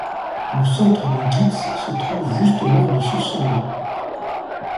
Le centre de Gits se trouve juste au nord de ce sommet.